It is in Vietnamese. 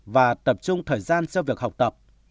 và tập trung thời gian cho việc học tập